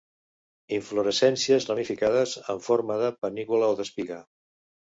Inflorescències ramificades amb forma de panícula o d'espiga.